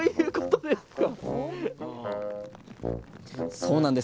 そうなんです。